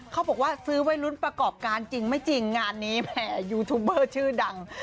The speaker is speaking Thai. เขาบอกว่าซื้อไว้ลุ้นประกอบการจริงไม่จริงงานนี้แหมยูทูบเบอร์ชื่อดัง